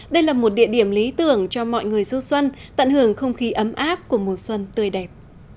đây là một địa điểm lý tưởng cho mọi người du xuân tận hưởng không khí ấm áp của mùa xuân tươi đẹp